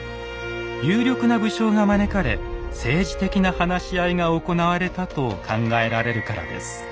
有力な武将が招かれ政治的な話し合いが行われたと考えられるからです。